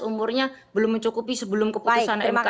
umurnya belum mencukupi sebelum keputusan mk